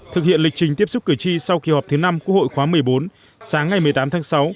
thực hiện lịch trình tiếp xúc cử tri sau kỳ họp thứ năm quốc hội khóa một mươi bốn sáng ngày một mươi tám tháng sáu